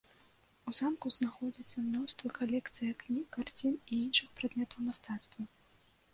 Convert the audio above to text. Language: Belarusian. У замку знаходзіцца мноства калекцыя кніг, карцін і іншых прадметаў мастацтва.